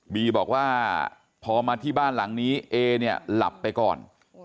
บีบอกว่าพอมาที่บ้านหลังนี้เอเนี่ยหลับไปก่อน